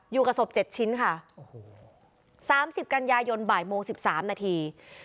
อยู่กับศพเจ็ดชิ้นค่ะสามสิบกันยายนบ่ายโมงสิบสามนาที